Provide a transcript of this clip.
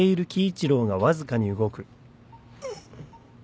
うっ。